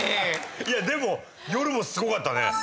いやでも夜もすごかったね。